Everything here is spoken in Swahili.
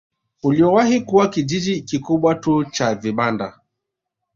Uliowahi kuwa kijiji kikubwa tu cha vibanda